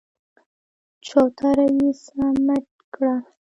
چوتره يې سمټ کړه.